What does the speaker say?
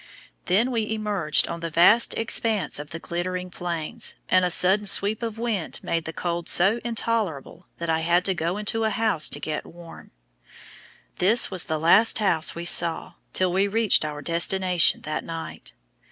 Then we emerged on the vast expanse of the glittering Plains, and a sudden sweep of wind made the cold so intolerable that I had to go into a house to get warm. This was the last house we saw till we reached our destination that night.